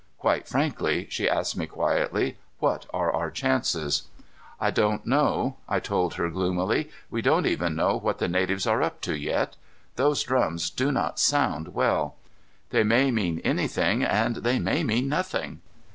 "Quite frankly," she asked me quietly, "what are our chances?" "I don't know," I told her gloomily. "We don't even know what the natives are up to yet. Those drums do not sound well. They may mean anything and they may mean nothing."